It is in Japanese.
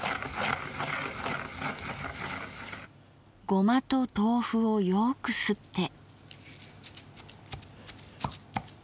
ゴマと豆腐をよくすって。